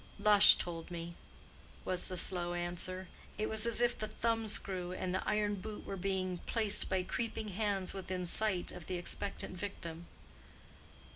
Lush told me," was the slow answer. It was as if the thumb screw and the iron boot were being placed by creeping hands within sight of the expectant victim.